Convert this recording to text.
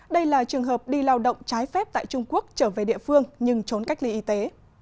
đây là trường hợp đi lao động trái phép tại trung quốc trở về địa phương nhưng trốn cách ly y tế